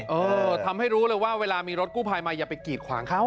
เออทำให้รู้เลยว่าเวลามีรถกู้ภัยมาอย่าไปกีดขวางเขา